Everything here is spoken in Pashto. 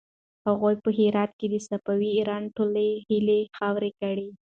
هغوی په هرات کې د صفوي ایران ټولې هيلې خاورې کړې.